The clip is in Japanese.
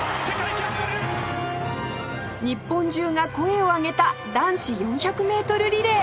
日本中が声を上げた男子４００メートルリレー